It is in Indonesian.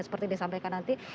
seperti yang disampaikan nanti